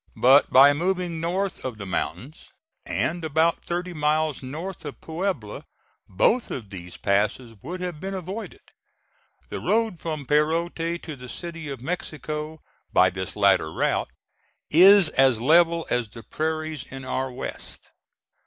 But by moving north of the mountains, and about thirty miles north of Puebla, both of these passes would have been avoided. The road from Perote to the City of Mexico, by this latter route, is as level as the prairies in our West.